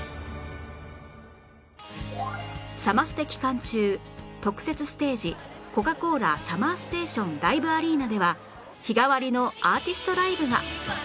サマステ期間中特設ステージ「コカ・コーラ ＳＵＭＭＥＲＳＴＡＴＩＯＮＬＩＶＥ アリーナ」では日替わりのアーティストライブが